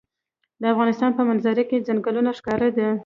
د افغانستان په منظره کې ځنګلونه ښکاره ده.